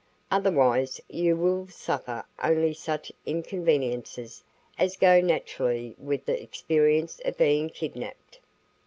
Otherwise you will suffer only such inconveniences as go naturally with the experience of being kidnapped.